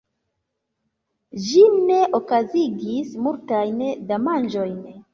Ĝi ne okazigis multajn damaĝojn.